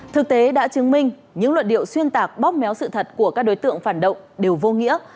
thực tế đã chứng minh những luận điệu xuyên tạc bóp méo sự thật của các đối tượng phản động đều vô nghĩa